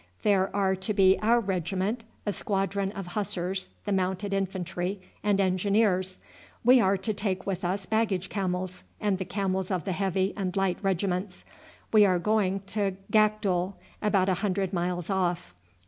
There are to be our regiment, a squadron of Hussars, the Mounted Infantry, and Engineers. We are to take with us baggage camels and the camels of the heavy and light regiments. We are going to Gakdul, about a hundred miles off.